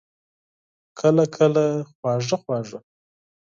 کله، کله خواږه، خواږه